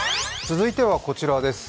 続いてはこちらです。